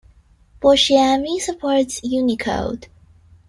Boshiamy supports Unicode.